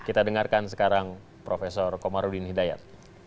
kita dengarkan sekarang prof komarudin hidayat